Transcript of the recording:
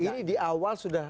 ini di awal sudah